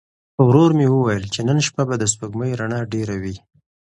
ورور مې وویل چې نن شپه به د سپوږمۍ رڼا ډېره وي.